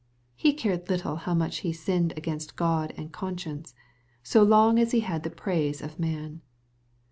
He cared little how much he sinned against Qod and conscience, so long as he had the praise of man.